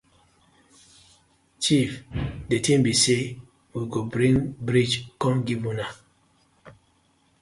Chief di tin bi say we go bring bridge kom giv una.